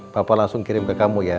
bapak langsung kirim ke kamu ya